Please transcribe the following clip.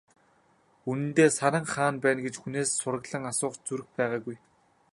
Үнэндээ, Саран хаана байна гэж хүнээс сураглан асуух ч зүрх байгаагүй.